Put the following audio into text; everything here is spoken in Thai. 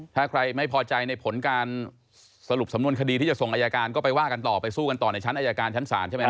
ถ้าใครไม่พอใจในผลการสรุปสำนวนคดีที่จะส่งอายการก็ไปว่ากันต่อไปสู้กันต่อในชั้นอายการชั้นศาลใช่ไหมครับ